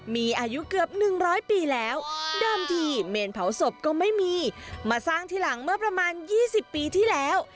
มีอายุเกือบ๑๐๐ปีแล้วเดิมทีเมนเผาศพก็ไม่มีมาสร้างทีหลังเมื่อประมาณ๒๐ปีที่แล้ว